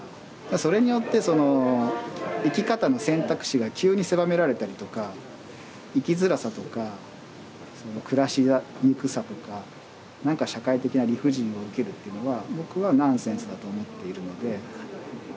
それによってその生き方の選択肢が急に狭められたりとか生きづらさとか暮らしにくさとか何か社会的な理不尽を受けるというのは僕はナンセンスだと思っているので。